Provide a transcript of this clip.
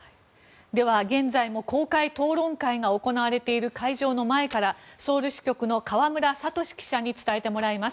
では、現在も公開討論会が行われている会場の前からソウル支局の河村聡記者に伝えてもらいます。